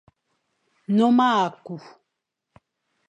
Nnôm à ku.